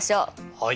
はい。